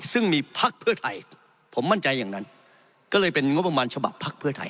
ซึ่งมีพักเพื่อไทยผมมั่นใจอย่างนั้นก็เลยเป็นงบประมาณฉบับภักดิ์เพื่อไทย